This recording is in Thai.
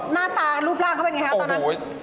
หน้าตารูปร่างเขาเป็นอย่างไรครับตอนนั้น